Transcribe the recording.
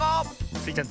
スイちゃん